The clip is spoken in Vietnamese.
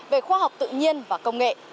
về khoa học tự nhiên và công nghệ